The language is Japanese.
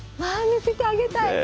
わあ見せてあげたい。